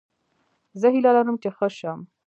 زه هیله لرم چې ښه شم